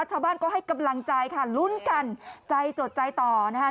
ชาวบ้านก็ให้กำลังใจค่ะลุ้นกันใจจดใจต่อนะคะ